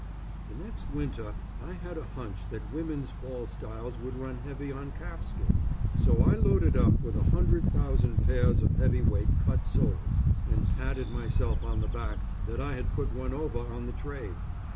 The next winter, I had a hunch that women's fall styles would run heavy on calfskin, so I loaded up with a hundred thousand pairs of heavyweight cut soles and patted myself on the back that I had put one over on the trade.